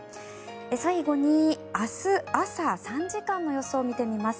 最後に明日朝３時間の予想を見ていきます。